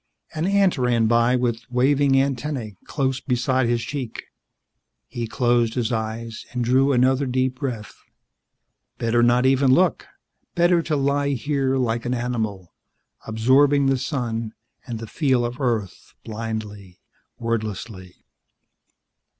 An ant ran by with waving antennae close beside his cheek. He closed his eyes and drew another deep breath. Better not even look; better to lie here like an animal, absorbing the sun and the feel of Earth blindly, wordlessly.